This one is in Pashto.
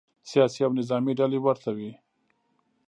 سیاسي او نظامې ډلې ورته وي.